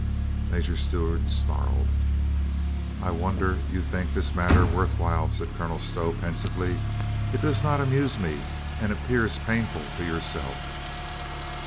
Major Stewart snarled. "I wonder you think this manner worth while," said Colonel Stow pensively. "It does not amuse me, and appears painful to yourself."